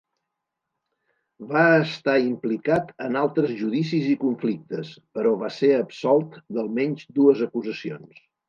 Va estar implicat en altres judicis i conflictes, però va ser absolt d'almenys dues acusacions.